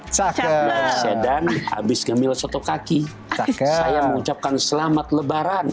cakl dan habis gemil sotokaki saya mengucapkan selamat lebaran